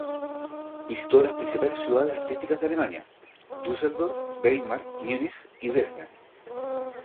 Visitó las principales ciudades artísticas de Alemania: Düsseldorf, Weimar, Munich y Dresde.